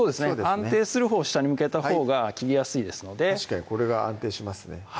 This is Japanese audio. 安定するほうを下に向けたほうが切りやすいですので確かにこれが安定しますね